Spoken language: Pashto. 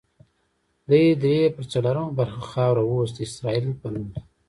دې درې پر څلورمه برخه خاوره اوس د اسرائیل په نوم ده.